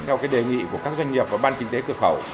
theo cái đề nghị của các doanh nghiệp và ban kinh tế cửa khẩu